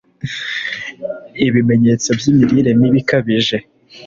ibimenyetso by'imirire mibi ikabije